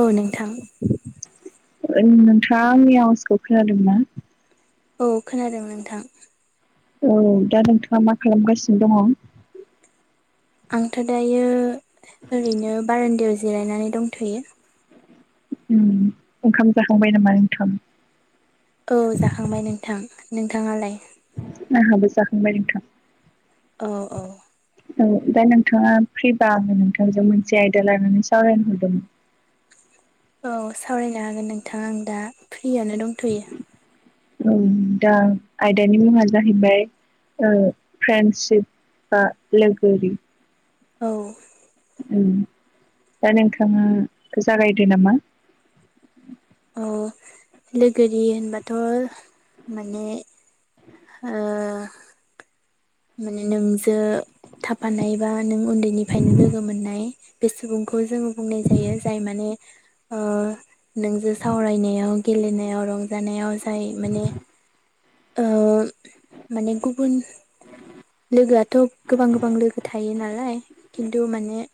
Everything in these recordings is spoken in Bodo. औ नोंथां नोंथाङा आंनि आवाजखौ खोनादोंना? औ खोनादोंमोन नोंथां औ दा नोंथाङा मा खालामगासिनो दङ? आंथ' दायो ओरैनो बारान्दोयाव जिरायनानै दंथ'यो उम ओंखाम जाखांबाय नामा नोंथां? औ जाखांबाय नोंथां नोंथाङालाय? आंबो जाखांबाय नोंथां औ औ औ दा नोंथाङा फ्रिबा आनो नोंथांजों मोनसे आयदा लानानै सावरायनो हरदोंमोन औ सावरायनो हागोन नोंथां आं दा फ्रियैनो दंथ'यो। औ दा आयदानि मुङा जाहैबाय फ्रेन्डसिप बा लोगोरि औ दा नोंथाङाखौ जागायदो नामा? औ लोगोरि होनबाथ' माने ओ माने नोंजों थाफानाय बा नों उन्दैनिफ्रायनो लोगो मोननाय बे सुबुंखौ जोङो बुंनाय जायो जाय माने नोंजों सावरायनायाव गेलेनायाव रंजानायाव जाय माने माने गुबुन लोगोआथ' गोबां गोबां लोगो थायो नालाय खिन्थु माने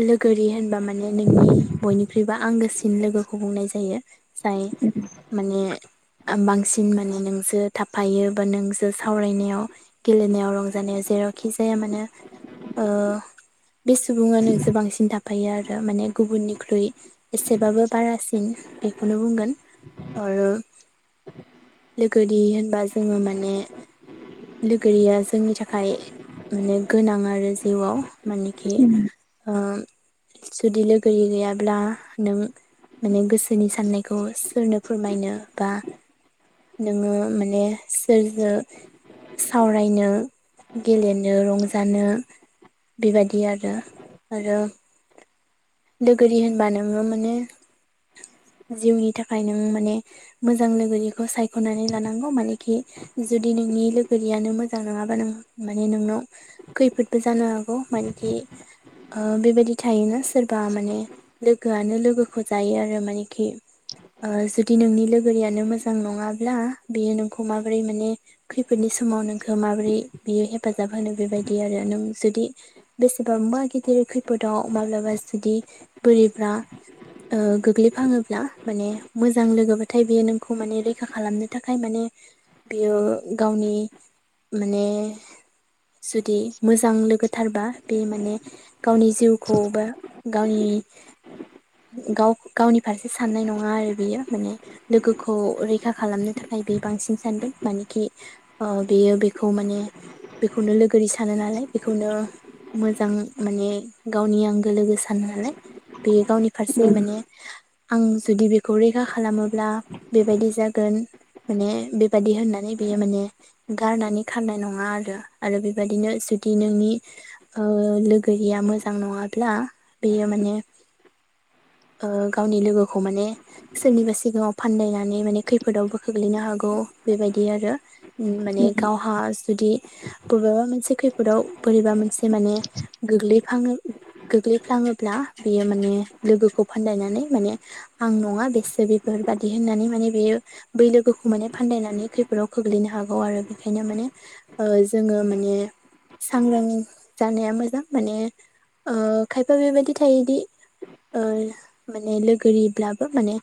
लोगोरि होनबा माने नोंनि बयनिख्रुइबो आंगोसिन लोगोखौ बुंनाय जायो जाय उम माने बांसिन माने नोंजों थाफायो बा नोंजों सावरायनायाव गेलेनायाव रंजानायाव जेरावखि जाया मानो ओ [inaudible] बे सुबुङानो ज बांसिन थाफायो आरो माने गुबुननिख्रुइ एसेबाबो बारासिन बेखौनो बुंगोन आरो लोगोरि होनबा जोङो माने लोगोरिया जोंनि थाखाय माने गोनां आरो जिउआव मानेखि उम जुदि लोगि गैयाब्ला नों माने गोसोनि साननायखौ सोरनो फोरमायनो बा नोङो माने सोरनो सावरायनो गेलेनो रंजानो बेबायदि आरो आरो लोगोरि होनबा नोङो माने जिउनि थाखाय नों माने मोजां लोगो बेखौ सायख'नानै लानांगौ मानेखि जुदि नोंनि लो गोरियानो मोजां नङाबा नों माने नोंनाव खैफोदबो जानो हागौ मानेखि बेबायदि थायोना सोरबा माने लोगोआनो लोगोखौ जायो आरो मानेखि जुदि नोंनि लोगोरियानो मोजां नङाब्ला बेयो नोंखौ माबोरै माने बेफोरनि समाव नोंखौ माबोरै बियो हेफाजाब होनो बेबायदि आरो नों जुदि बेसेबा मा गिदिर खैफोदाव माब्लाबा जुदि बोरिफ्रा गोग्लैफङोब्ला माने मोजां लोगोोबाथाय बियो नोंखौ माने रैखा खालामनो थाखाय माने बियो गावनि माने जुदि मोजां लोगोथारबा बे माने गावनि जिउखौ बा गावनि गाव गावनि फारसे साननाय नङा आरो बियो माने लोगोखौ रैखा खालामनो थाखाय बे बांसिन सानगोन माने खि बेयो बेखौ माने बेखौनो लोगोरि सानो नालाय बेखौनो मोजां माने गावनि आंगो लोगोसे सानो नालाय बेयो गावनि फारसे माने आं जुदि बेखौ रैखा खालामोब्ला बेबायदि जागोन माने बेबादि होननानै बेयो माने गारनानै खारनाय नङा आरो आरो बेबादिनो जुदि नोंनि ओ लोगोरिया मोजां नङाब्ला बेयो माने ओ गावनि लोगोखौ माने सोरनिबा सिगाङाव फानदायनानै माने खैफोदावबो खोख्लैनो हागौ बेबायदि आरो माने उम गावहा जुदि बबेबा मोनसे खैफोदाव बोरैबा मोनसे माने गोग्लैफङो गोग्लैफ्लाङोब्ला बेयो माने लोगोखौ फानदायनानै माने आं नङा बेसो बेफोरबादि होननानै माने बे बै लोगोखौ माने फानदायनानै खैफोदाव खग्लैनो हागौ आरो बेखायनो माने जोङो माने सांग्रां जानाया मोजां माने खायफा बेबायाददि थायोदि ओ माने लोगोरिब्लाबो माने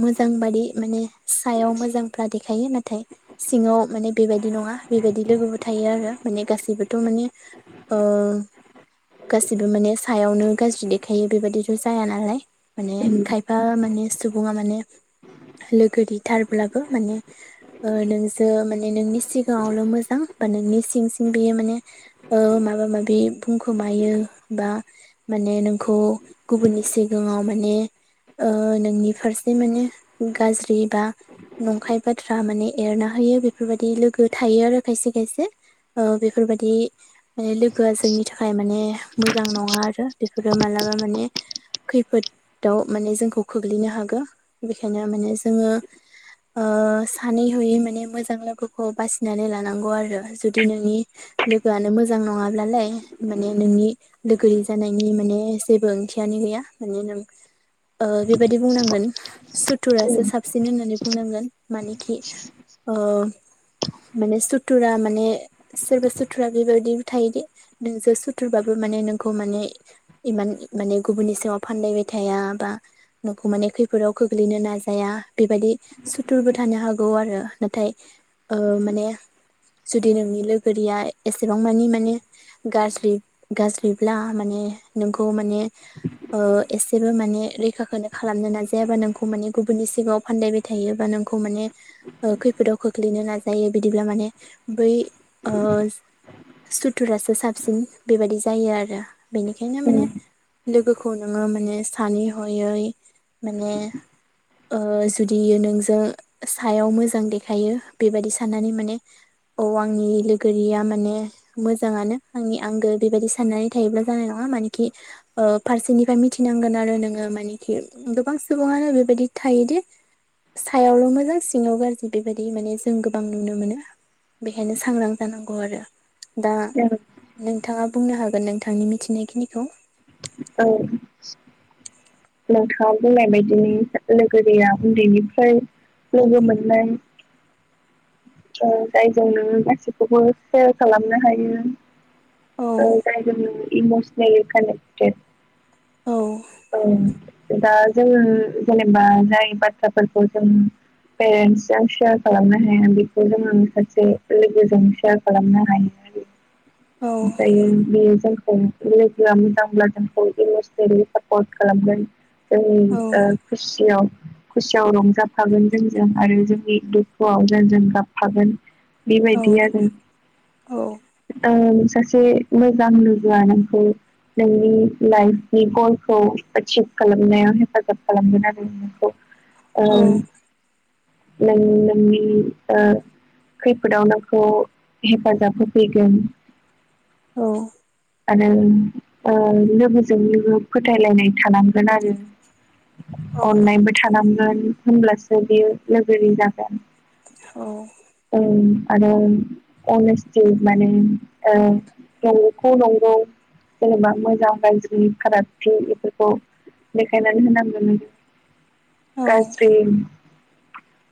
मोजां बादि माने सायाव मोजांफ्रा देखायो नाथाय सिङाव माने बेबायदि नङा बेबायदि लोगोबो थायो आरो माने गासैबोथ' माने ओ गासिबो माने सायावनो गाज्रि देखायो बेबादिथ' जाया नालाय माने उम खायफा बा माने सुबुङा माने लोगो दैथारब्लाबो माने नों जो माने नोंनि सिगाङावल' मोजां बा नोंनि सिं सिं बेयो माने माबा माबि बुंखुमायो बा माने नोंखौ गुबुननि सिगाङाव माने नोंनि फारसे माने गाज्रि बा नंखाय बाथ्रा माने एरनो ह बेफोरबायदि लोगो थायो आरो खायसे खायसे बेफोर बायदि माने लोगोआ जोंनि थाखाय माने मोजां नङा आरो बेफोरो मालाबा माने खैफोदाव माने जोंखौ खग्लैनो हागौ बेखायनो माने जोङो ओ सानैहयै माने मोजां लोगोखौ बासिनानै लानांगौ आरो जुदि नोंनि लोगोआनो मोजां नङाब्लालाय माने नोंनि लोगोरि जानायनि माने जेबो ओंथियानो गैया माने नों बेबायदि बुंनांगोन सुथुरासो साबसिन होननानै बुंनांगोन मानेखि माने सुथुरा माने सोरबा सुथुरा बेबायदि थायोदि नोंजों सुथुरबाबो माने नोंखौ माने इमान माने गुबुननि सायाव फानलायबाय थाया बा न'खौ माने खैफोदाव खोख्लैनो नाजाया बेबायदि सुथुरबो थानो हागौ आरो नाथाय ओ माने जुदि नोंनि लोगोरिया एसेबां माने माने गाज्रि गाज्रिब्ला माने नोंखौ माने ओ एसेबो माने रैखाखौनो खालामनो नाजायाबा नोंखौ माने गुबुननि सिगाङाव फान्दायबाय थायोबा नोंखौ माने खैफोदाव खोख्लैनो नाजायो बिदिब्ला माने बै सुथुरासो साबसिन बे बायदि जायो आरो बेनिखायनो माने लोगोखौ नोङो माने सानैहयै माने जुदि नोंजों सायाव मोजां देखायो बेबायदि साननानै माने औ आंनि लोगोरिया माने मोजाङानो आंनि आंगो बेबायदि साननानै थायोब्ला जानाय नङा मानेखि ओ फारसेनिफ्राय मिथिनांगोन आरो नोङो मानेखि गोबां सुबुङानो बेबायदि थायोदि सायावल' मोजां सिङाव गाज्रि बेबायदि माने जों गोबां नुनो मोनो बेखायनो सांग्रां जानांगौ आरो दा उम नोंथाङा बुंनो हागोन नोंथांनि मिथिनायखिनिखौ औ नोंथाङा बुंनाय बायदिनो लोगो दैया उन्दैनिफ्राय लोगो मोननाय जायजों नोङो गासैखौबो सेयार खालामनो हायो। औ ओ जायजों नोङो इमसनेलि कानेक्टेत औ औ दा जोङो जेनेबा जाय बाथ्राफोरखौ जों पेरेन्स जों सेयार खालामनो हाया बेखौ जोङो माखासे लोगोजों सेयार खालामनो हायो आरो औ ओमफ्रायो बियो जोंखौ लोगोआ मोजांब्ला जोंखौ इमसनेलि सापर्ट खालामगोन जोंनि ओ खुसियाव खुसियाव रंजाफागोन जोंजों आरो जोंनि दुखुआव जोंजों गाबफागोन। औ बिबायदि आरो औ ओ सासे मोजां लोगोआ नोंखौ नोंनि लाइफनि गल खौ थिग खालामनायाव हेफाजाब खालामगोन आरो नोंखौ औ ओं नों नोंनि ओ खैफोदाव नोंखौ हेफाजाब होफैगोन। औ आरो ओ लोगोजों लोगो फोथायलायनाय थानांगोन आरो औ अननायबो थानांगोन होनब्लासो बियो लोगोरि जागोन औ औ आरो अनेस्टि माने ओ नंगौखौ नंगौ जेनेबा मोजां गाज्रि फाराग पि इफोरखौ देखायनानै होनांगोन औ गाज्रि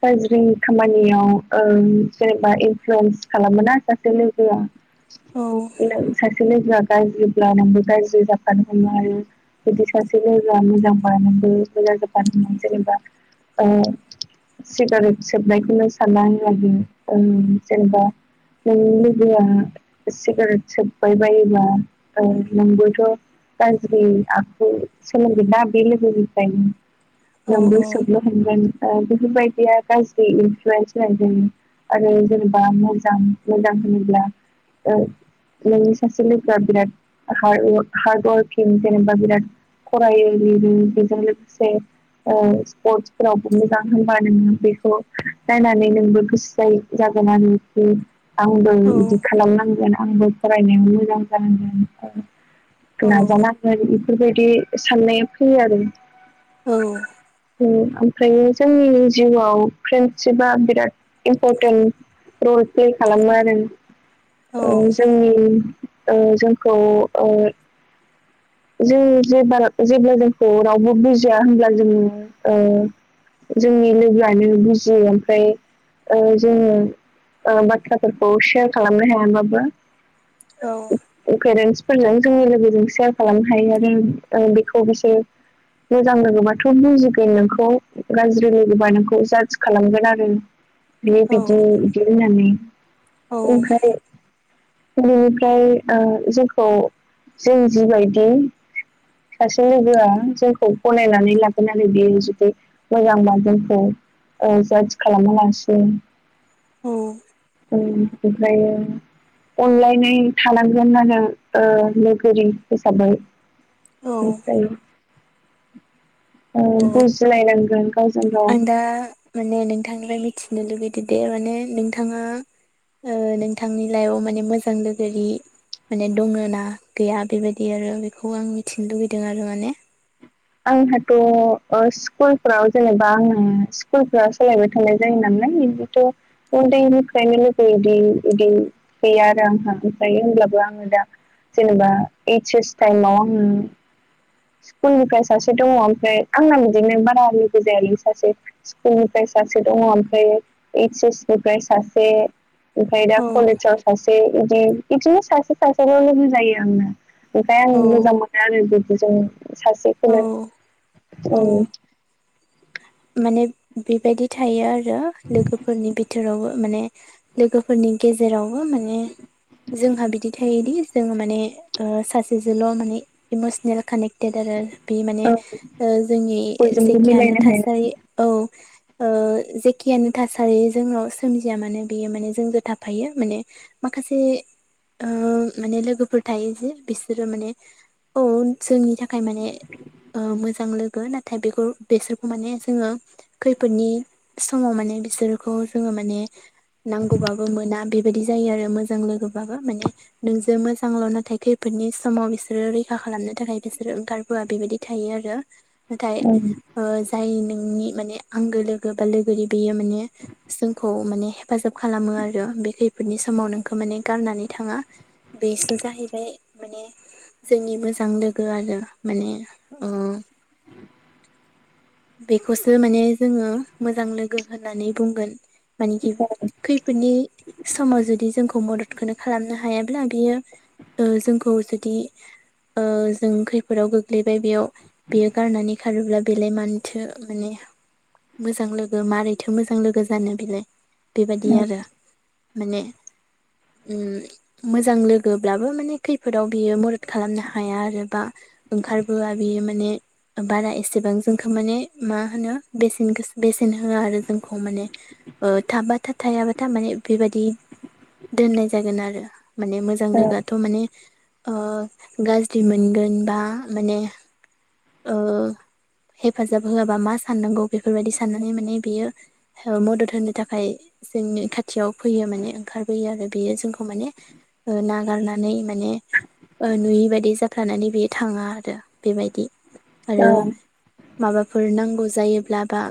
गाज्रि खामानियाव ओ जेनेबा इनफ्लयेन्स खालामोना सासे लोगोआ [unintelligible] औ ओ सासे लोगोआ गाज्रिब्ला नोंबो गाज्रि जाफानो हायो आरो बिदि सासे लोगोया मोजांबा नोंबो मोजां जाफानो जेनेबा ओ सिगारेट सोबनायखौनो सानानै लादो जेनेबा नोंनि लोगोआ सिकारेट सोबबाय बायोबा नोंबोथ' गाज्रि आखु सोलोंगोना बे लोगोनिफ्राय नोंबो सोबनो हमगोन। ओ बिफोरबायदिया गाज्रि इनफ्लुयेन्स लायदों आरो जेनेबा मोजां मोजां होनोब्ला ओ नोंनि सासे लोगोया बिराद हादईअवाक हादईअवाककिं जेनेबा बिराद फरायो बि बि बिजों लोगोसे ओ स्पर्टसफोरावबो मोजां होनबा नोङो बेखौ नायनानै नोंबो गोसो जायो। जागोनानो इसे आंबो औ इदि खालामनांगोन आंबो फरायनायाव मोजां जानांगोन ओ औ नाजानांगोन इफोरबायदि साननाया फैयो आरो औ उम ओम ओमफ्रायनो जोंनि जिउआव फ्रेन्डसिपा बिराद इम्परटेन्ट रल फिल खालामो आरो औ ओ जोंनि ओ जोंखौ ओ जों जेबा जेब्ला जोंखौ रावबो बुजिया होनब्ला जोङो ओ जोंनि लोगोआनो बुजियो ओमफ्राय ओ जोङो ओ बाथ्राफोरखौ सेयार खालामनो हायाबाबो औ पेरेन्टसफोरनो जोंनि लोगोजों सेयार खालामनो हायो आरो ओ बेखौ बिसोर मोजां लोगोबाथ बुजिगोन नोंखौ गाज्रि लोगोबा नोंखौ जाज खालामगोन आरो बे औ बिबदि बिदि होननानै औ ओमफ्राय बेनिफ्राय ओ जोंखौ जों जिबायदि सासे लोगोआ जोंखौ गनायनानै लागोन आरो बेयो जुदि मोजांबा जोंखौ ओ जाज खालामा लासिनो ओम ओमफ्रायो अनलायनाय थानांगोन आरो ओ लोगोरि साबै ओमफ्राय ओ बुजिलायनांगोन गावजों गाव आं दा माने नोंथांनिफ्राय मिथिनो लुगैदो दे माने नोंथाङा ओ नोंथांनि लाइफआव माने मोजां लोगोरि माने दङो ना गैया बेबायदि आरो बेखौ आं मिथिनो लुगैदों आरो माने आंहाथ ओ स्कुलफ्राव जेनेबा आङो स्कुलफोरा सोलायबाय थानाय जायो नालाय इदिथ उन्दैनिफ्रायनो लोगो इदि इदि गैया आरो आंहा ओमफ्राय होमब्लाबो आङो दा जेनेबा ओइच एस टाइमाव आङो स्कुलनिफ्राय सासे दङ ओमफ्राय आंना बिदिनो बारा लोगो जायालै सासे स्कुल निफ्राय सासे दङ ओमफ्राय ओइस एस निफ्राय सासे ओमफ्राय दा औ कलेजाव सासे इदि इदिनो सासे सासेल लोगो जायो आंना ओमफाय आं औ मोजां मोनो आरो बिदिजोंनो औ सासेखौनो औ माने बिबायदि थायो आरो लोगोफोरनि बिथिं वबो माने लोगोफोरनि गेजेरावबो माने जोंहा बिदि थायोदि जोङो माने ओ सासेजोल माने इमसनेल कानेक्ट टेट आरो बे माने जोंनि बयजोंबो जेखियानो मिलायनो हाया थासारि औ ओ जेखियानो थासारि जोंनाव सोमजिया मानो बियो माने जोंजों थाफायो माने माखासे ओ माने लोगोफोर थायो जे बिसोरो माने औ जोंनि थाखाय खाय माने ओ मोजां लोगो नाथाय बेखौ बेसोर माने जोङो खैफोदनि समाव माने बिसोरखौ जोङो माने नांगौबाबो मोना बेबायदि जायो आरो मोजां लोगोबाबो माने नोंजों मोजांल' नाथाय खैफोदनि समाव बिसोरो रैखा खालामनो थाखाय बिसोरो ओंखार बोआ बेबायदि थायो आरो नाथाय ओम ओ जाय नोंनि माने आंगो लोगो बा लोगोरि बेयो माने जोंखौ माने हेफाजाब खालामो आरो बे खैफोदनि समाव नोंखौ माने गारनानै थाङा बेसो जाहैबाय माने जोंनि मोजां लोगो आरो माने अ बेखौसो माने जोङो मोजां लोगो होननानै बुंगोन मानिखि खैफोदनि समाव जुदि जोंखौ मददखौनो खालामनो हायाब्ला बियो जोंखौ जुदि ओ जों खैफोदाव गोग्लैबाय बेयाव बेयो गारनानै खारोब्ला बेलाय मान थो माने मोजां लोगो मारैथो मोजां लोगो जानो बेलाय बेबायदि औ आरो माने ओम मोजां लोगोब्लाबो माने खैफोदाव बियो मदद खालामनो हाया आरो बा ओंखारबोआ बेयो माने बारा एसेबां जों माने मा होनो बेसेन गो बेसेन होआ आरो जोंखौ माने थाब था थायाबा था माने बेबादि दोननाय जागोन आरो माने मोजां जां लोगोआथ माने गाज्रि मोनगोन बा माने ओ हेफाजाब होआबा मा साननांगौ बेफोरबायदि साननानै माने बेयो मदद होनो थाखाय जोंनि खाथियाव फैयो माने ओंखारबोयो आरो बेयो जोंखौ माने नागारनानै माने नुयि बायदि जाफ्लानानै बियो थाङा आरो बेबायदि औ आरो औ माबाफोर नांगौ जायोब्ला बा